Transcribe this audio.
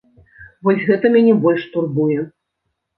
Вось гэта мяне больш турбуе.